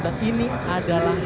dan ini adalah